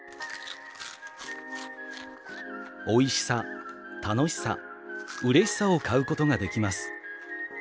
「おいしさ、たのしさ、うれしさを買うことができます。